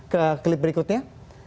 ke klip berikutnya